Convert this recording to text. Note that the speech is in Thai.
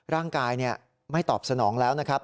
ร่างกายไม่ตอบสนองแล้วนะครับ